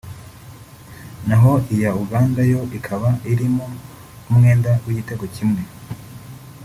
naho iya Uganda yo ikaba irimo umwenda w’igitego kimwe